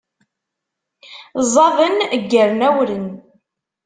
Ẓẓaden, ggaren awren.